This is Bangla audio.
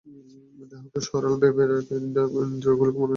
দেহকে সরল ভাবে রেখে ইন্দ্রিয়গুলিকে মনে আহুতি দাও।